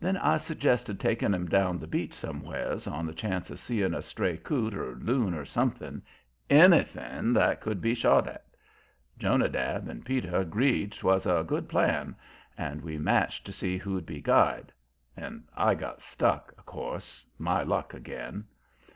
Then I suggested taking 'em down the beach somewheres on the chance of seeing a stray coot or loon or something ANYTHING that could be shot at. Jonadab and Peter agreed 'twas a good plan, and we matched to see who'd be guide. And I got stuck, of course; my luck again.